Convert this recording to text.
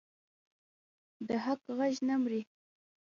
د حق غږ نه مري